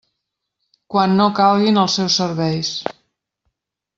Quan no calguin els seus serveis.